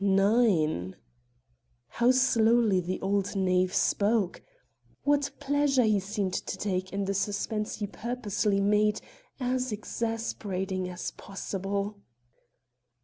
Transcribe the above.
"Nine." How slowly the old knave spoke! What pleasure he seemed to take in the suspense he purposely made as exasperating as possible!